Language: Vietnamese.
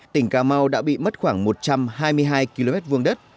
tỉnh cà mau đã bị mất khoảng một trăm hai mươi hai km hai đất